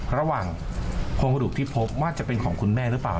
ระหว่างโครงกระดูกที่พบว่าจะเป็นของคุณแม่หรือเปล่า